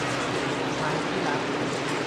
ไหม ที่รัก